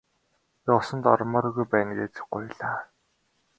Би усанд ормооргүй байна гэж гуйлаа.